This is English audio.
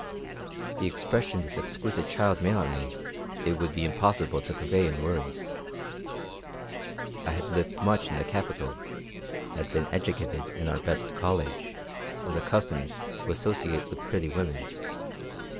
"The impression this exquisite child made on me it would be impossible to convey in words. I had lived much in the capital, had been educated in our best college, and was accustomed to associate with pretty women.